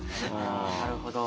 あなるほど。